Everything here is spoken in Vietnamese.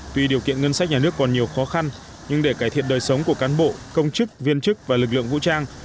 tuy điều kiện ngân sách nhà nước còn nhiều khó khăn nhưng để cải thiện đời sống của cán bộ công chức viên chức và lực lượng vũ trang